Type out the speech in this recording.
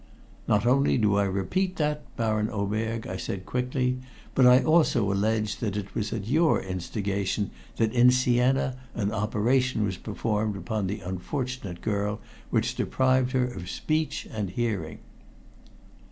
"Not only do I repeat that, Baron Oberg," I said quickly. "But I also allege that it was at your instigation that in Siena an operation was performed upon the unfortunate girl which deprived her of speech and hearing."